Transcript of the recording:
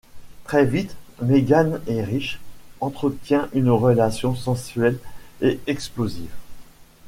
Très vite, Megan et Rich entretiennent une relation sensuelle et explosive.